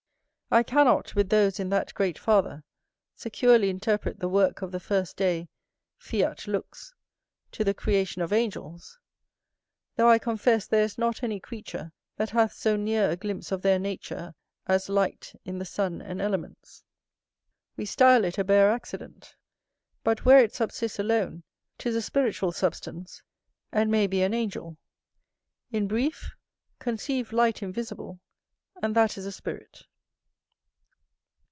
I cannot, with those in that great father, securely interpret the work of the first day, fiat lux, to the creation of angels; though I confess there is not any creature that hath so near a glimpse of their nature as light in the sun and elements: we style it a bare accident; but, where it subsists alone, 'tis a spiritual substance, and may be an angel: in brief, conceive light invisible, and that is a spirit.